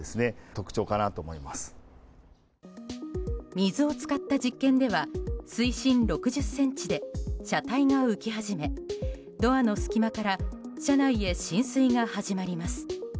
水を使った実験では水深６０ｃｍで車体が浮き始めドアの隙間から車内へ浸水が始まります。